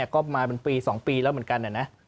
ก็มาเป็นปี๒ปีแล้วเหมือนกันนะ